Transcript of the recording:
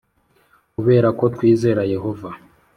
kubera ko twizera Yehova